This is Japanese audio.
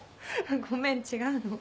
ごめん違うの。